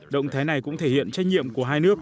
động thái này cũng thể hiện trách nhiệm của hai nước